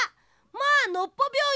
まあ「のっぽ病院」！